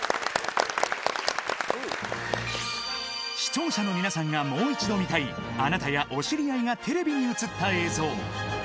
視聴者の皆さんがもう一度見たい、あなたやお知り合いがテレビに映った映像。